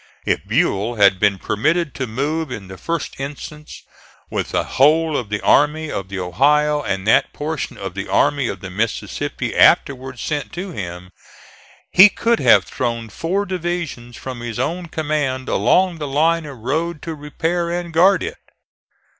If Buell had been permitted to move in the first instance, with the whole of the Army of the Ohio and that portion of the Army of the Mississippi afterwards sent to him, he could have thrown four divisions from his own command along the line of road to repair and guard it.